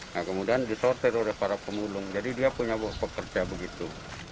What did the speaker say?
nah kemudian disortir oleh para pemulung jadi dia punya pekerja begitu